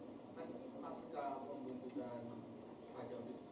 semoga pakai tutorial lagu lagu memilih